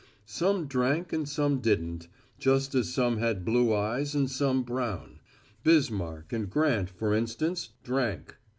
Some drank and some didn't; just as some had blue eyes and some brown. Bismarck and Grant, for instance, drank.